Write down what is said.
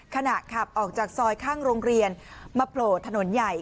ขณะขับออกจากซอยข้างโรงเรียนมาโผล่ถนนใหญ่